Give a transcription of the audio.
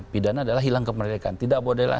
pidana adalah hilang kemerdekaan